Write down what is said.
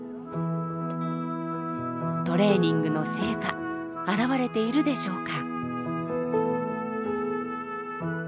トレーニングの成果表れているでしょうか。